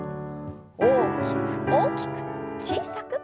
大きく大きく小さく。